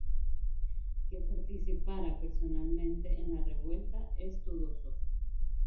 Que participara personalmente en la revuelta es dudoso.